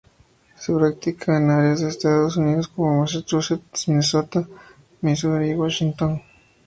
Se practica en áreas de Estados Unidos como Massachusetts, Minnesota, Misuri y Washington.